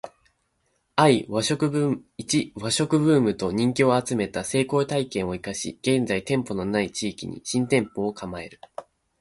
ⅰ 和食ブームと人気を集めた成功体験を活かし現在店舗の無い地域に新店舗を構える